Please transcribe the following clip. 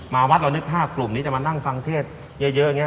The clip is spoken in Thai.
วัดเรานึกภาพกลุ่มนี้จะมานั่งฟังเทศเยอะอย่างนี้